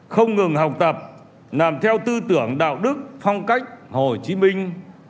không ngừng học tập làm theo tư tưởng đạo đức phong cách hồ chí minh